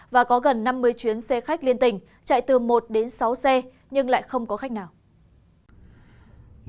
và có gần năm mươi chuyến xe khách liên tình chạy từ một đến sáu xe nhưng lại không có khách nào